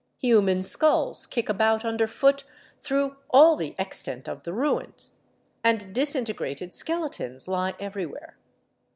Human skulls kick about underfoot through all the extent of the ruins, and disintegrated skeletons lie everywhere.